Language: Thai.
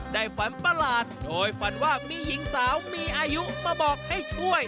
ฝันประหลาดโดยฝันว่ามีหญิงสาวมีอายุมาบอกให้ช่วย